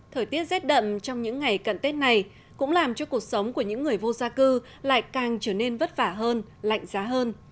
thời tiết rét đậm trong những ngày cận tết này cũng làm cho cuộc sống của những người vô gia cư lại càng trở nên vất vả hơn